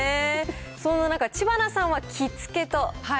そんな中、知花さんは着付けと。